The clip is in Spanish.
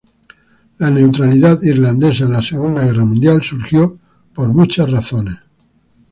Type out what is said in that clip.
La neutralidad irlandesa en la Segunda Guerra Mundial surgió por muchas razones.